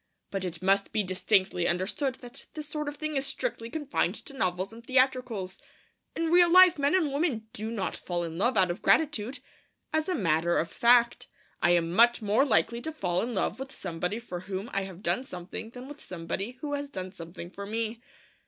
But it must be distinctly understood that this sort of thing is strictly confined to novels and theatricals. In real life, men and women do not fall in love out of gratitude. As a matter of fact, I am much more likely to fall in love with somebody for whom I have done something than with somebody who has done something for me.